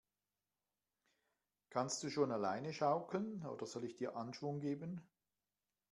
Kannst du schon alleine schaukeln, oder soll ich dir Anschwung geben?